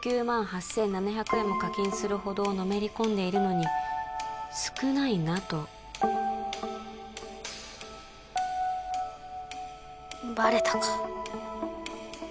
１９万８７００円も課金するほどのめり込んでいるのに少ないなとバレたか